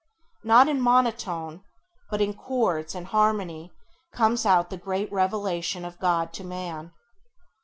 Not in monotone but in chords and harmony comes out the great revelation of God to man.